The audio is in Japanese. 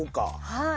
はい。